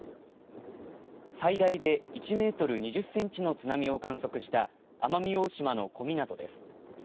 最大で、１メートル２０センチの津波を観測した奄美大島の小湊です。